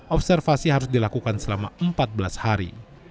observasi harus dilakukan selama empat belas hari